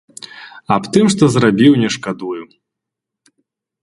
Аб тым, што зрабіў, не шкадую.